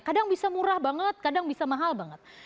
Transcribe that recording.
kadang bisa murah banget kadang bisa mahal banget